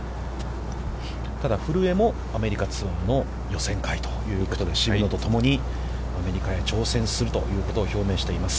ただ、古江もアメリカツアーの予選会ということで、渋野とともにアメリカへ挑戦するということを表明しています。